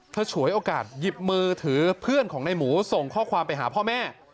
ฉวยโอกาสหยิบมือถือเพื่อนของในหมูส่งข้อความไปหาพ่อแม่